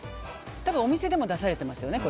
多分お店でも出されてますよね。